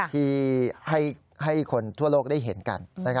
ที่ให้คนทั่วโลกได้เห็นกัน